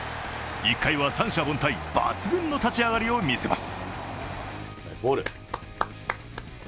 １回は三者凡退、抜群の立ち上がりを見せます。